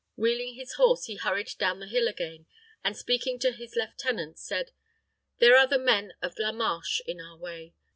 Wheeling his horse, he hurried down the hill again, and, speaking to his lieutenant, said, "There are the men of La Marche in our way.